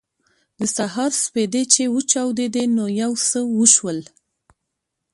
د سهار سپېدې چې وچاودېدې نو یو څه وشول